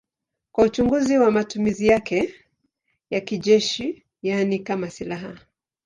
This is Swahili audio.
Kuna uchunguzi kwa matumizi yake ya kijeshi, yaani kama silaha.